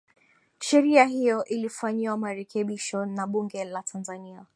sheria hiyo ilifanyiwa marekebisho na bunge la tanzania